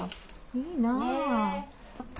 いいな。